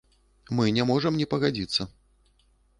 Мы не можам не пагадзіцца.